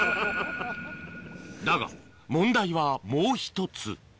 だが問題はもう１つ